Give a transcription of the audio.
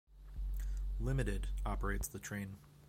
Limited, operates the train.